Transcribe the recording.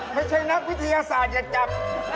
ไม่ใช่นักวิทยาศาสตร์อย่าจับ